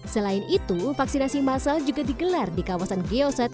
selain itu vaksinasi masal juga digelar di kawasan geoset